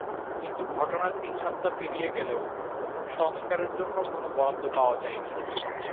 কিন্তু ঘটনার তিন সপ্তাহ পেরিয়ে গেলেও সংস্কারের জন্য কোনো বরাদ্দ পাওয়া যায়নি।